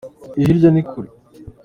Iyo hirya ni kure.